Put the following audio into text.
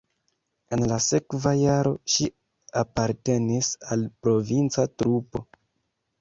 En la sekva jaro ŝi apartenis al provinca trupo.